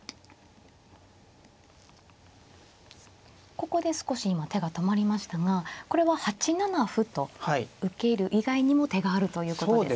ここで少し今手が止まりましたがこれは８七歩と受ける以外にも手があるということですか。